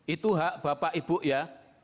itu hak bapak ibu ya